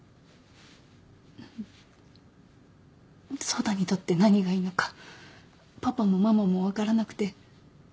走太にとって何がいいのかパパもママも分からなくて。